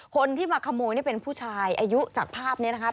คนที่มาขโมยนี่เป็นผู้ชายอายุจากภาพนี้นะครับ